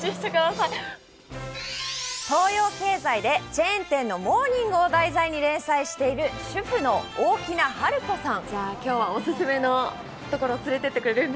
「東洋経済」でチェーン店のモーニングを中心に連載している主婦の大木奈ハル子さん。